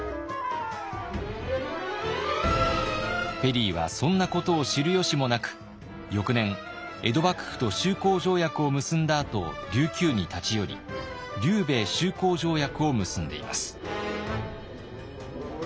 ペリーはそんなことを知る由もなく翌年江戸幕府と修好条約を結んだあと琉球に立ち寄り琉米修好条約を結んでいます。